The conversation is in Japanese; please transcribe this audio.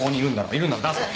いるんなら出せ！